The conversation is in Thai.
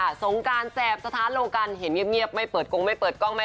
ค่ะสงการแจบสะท้าโหลกันเห็นเงียบงี้ับไม่เปิดโกงไม่เปิดกล้องไม่